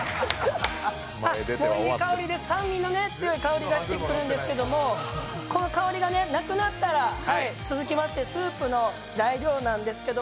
いい香りです、酸味の強い香がしてくるんですけど、この香りがなくなったら続きましてスープの材料です。